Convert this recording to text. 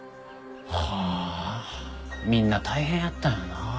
はあみんな大変やったんやなあ。